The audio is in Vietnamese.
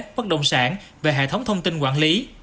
bất động sản về hệ thống thông tin quản lý